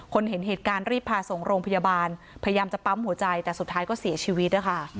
เห็นเหตุการณ์รีบพาส่งโรงพยาบาลพยายามจะปั๊มหัวใจแต่สุดท้ายก็เสียชีวิตนะคะ